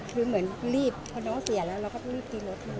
คือเหมือนรีบพอน้องเสียแล้วเราก็รีบตีรถ